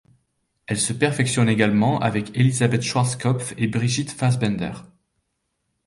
Elle se perfectionne également avec Elisabeth Schwarzkopf et Brigitte Fassbaender.